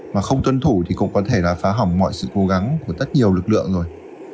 mà không tuân thủ thì cũng có thể là phá hỏng mọi sự cố gắng của rất nhiều lực lượng rồi